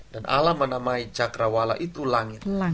dan allah menamai cakrawala itu langit